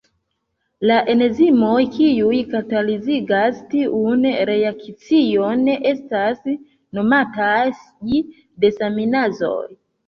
La enzimoj kiuj katalizigas tiun reakcion estas nomataj desaminazoj.